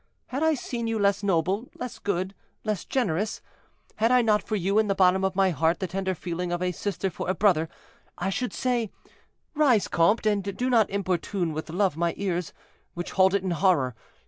Had I seen you less noble—less good—less generous, had I not for you in the bottom of my heart the tender feeling of a sister for a brother, I should say, 'Rise, comte, and do not importune with love my ears, which hold it in horror.'